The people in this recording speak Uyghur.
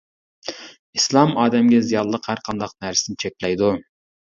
ئىسلام ئادەمگە زىيانلىق ھەرقانداق نەرسىنى چەكلەيدۇ.